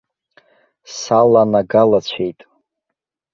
Саланагалацәеит.